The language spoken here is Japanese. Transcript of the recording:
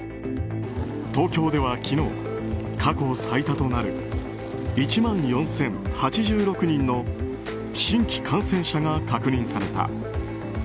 東京では昨日、過去最多となる１万４０８６人の新規感染者が確認された。